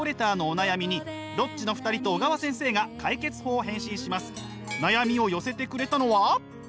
悩みを寄せてくれたのは。